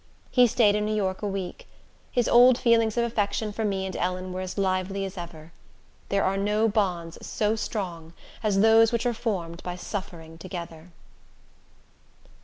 He staid in New York a week. His old feelings of affection for me and Ellen were as lively as ever. There are no bonds so strong as those which are formed by suffering together.